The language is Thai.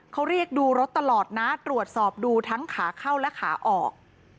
เขาเรียกดูรถตลอดนะตรวจสอบดูทั้งขาเข้าและขาออก